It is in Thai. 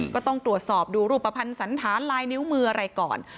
ก็ต้องตรวจสอบดูรูปภัณฑ์สันธารลายนิ้วมืออะไรก่อน